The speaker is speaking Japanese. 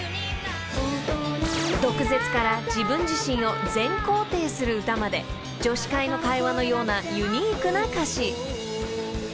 ［毒舌から自分自身を全肯定する歌まで女子会の会話のようなユニークな歌詞］